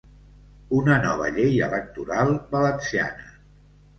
Una nova llei electoral valenciana.